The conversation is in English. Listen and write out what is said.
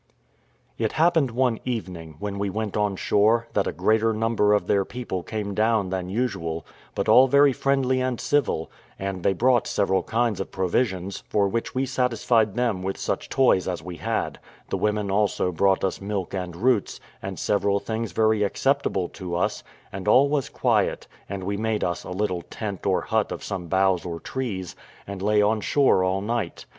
It happened one evening, when we went on shore, that a greater number of their people came down than usual, but all very friendly and civil; and they brought several kinds of provisions, for which we satisfied them with such toys as we had; the women also brought us milk and roots, and several things very acceptable to us, and all was quiet; and we made us a little tent or hut of some boughs or trees, and lay on shore all night.